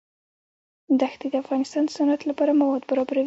دښتې د افغانستان د صنعت لپاره مواد برابروي.